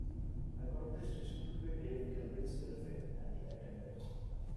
I got the station to pay Dave Kirby's airfare and he attended.